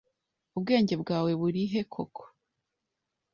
Ubwenge bwawe burihe koko?